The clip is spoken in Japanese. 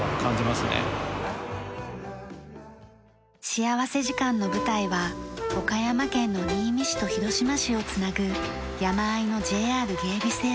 幸福時間の舞台は岡山県の新見市と広島市を繋ぐ山あいのＪＲ芸備線。